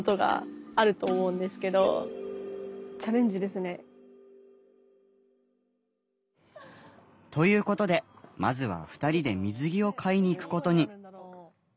それには理由が。ということでまずは２人で水着を買いに行くことに。